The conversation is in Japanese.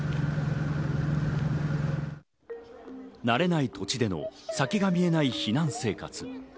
慣れない土地での先が見えない避難生活。